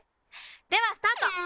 ではスタート！